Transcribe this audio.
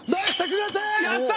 やった！